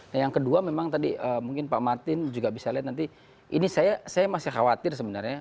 nah yang kedua memang tadi mungkin pak martin juga bisa lihat nanti ini saya masih khawatir sebenarnya